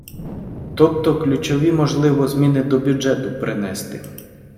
Тобто ключові, можливо, зміни до бюджету принести.